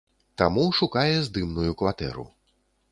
Таму шукае здымную кватэру.